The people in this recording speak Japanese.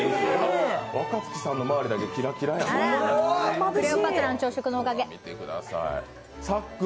若槻さんの周りだけキラキラやん。